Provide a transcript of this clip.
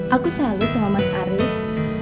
aku selalu sama mas arief